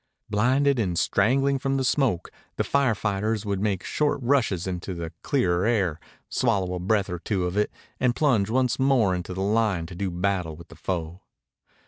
Blinded and strangling from the smoke, the fire fighters would make short rushes into the clearer air, swallow a breath or two of it, and plunge once more into the line to do battle with the foe.